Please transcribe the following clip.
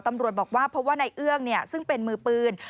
ตำรวจบอกว่าเพราะว่าในเอื้องซึ่งเป็นมือปืน